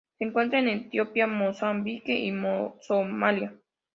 Se encuentra en Etiopía, Mozambique y Somalia.